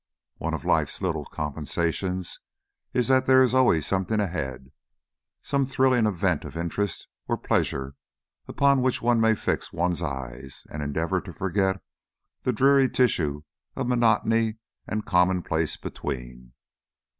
One of life's compensations is that there is always something ahead, some trifling event of interest or pleasure upon which one may fix one's eye and endeavour to forget the dreary tissue of monotony and commonplace between.